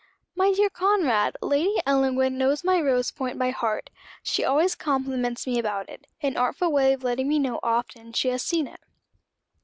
"My dear Conrad, Lady Ellangowan knows my rose point by heart. She always compliments me about it an artful way of letting me know often she has seen it.